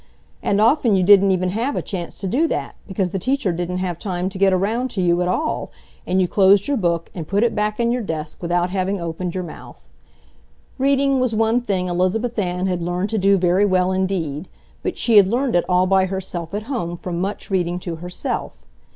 And often you didn't even have a chance to do that, because the teacher didn't have time to get around to you at all, and you closed your book and put it back in your desk without having opened your mouth. Reading was one thing Elizabeth Ann had learned to do very well indeed, but she had learned it all by herself at home from much reading to herself.